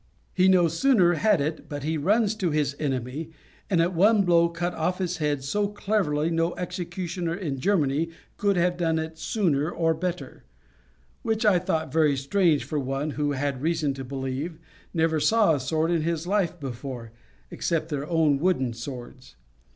He no sooner had it but he runs to his enemy, and at one blow cut off his head so cleverly no executioner in Germany could have done it sooner or better; which I thought very strange for one who, I had reason to believe, never saw a sword in his life before, except their own wooden swords.